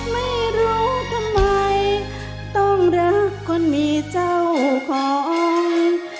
ไม่รู้ทำไมต้องรักคนมีเจ้าของ